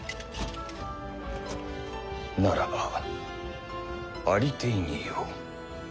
ならばありていに言おう。